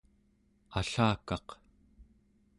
allakaq